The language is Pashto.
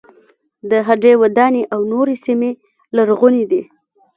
د هډې وداني او نورې سیمې لرغونې دي.